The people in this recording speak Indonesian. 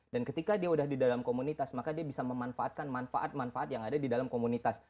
dan ketika dia sudah di dalam komunitas maka dia bisa memanfaatkan manfaat manfaat yang ada di dalam komunitas